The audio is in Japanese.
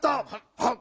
はっ！